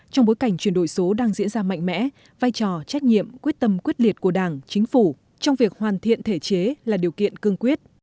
trong bối cảnh chuyển đổi số đang diễn ra mạnh mẽ vai trò trách nhiệm quyết tâm quyết liệt của đảng chính phủ trong việc hoàn thiện thể chế là điều kiện cương quyết